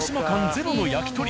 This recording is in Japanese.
ゼロの焼き鳥。